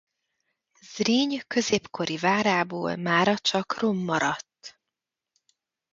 Zriny középkori várából mára csak rom maradt.